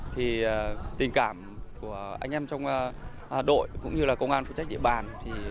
thì tình cảm của anh em trong đội cũng như là công an phụ trách địa bàn